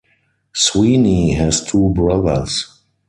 Sweeney has two brothers.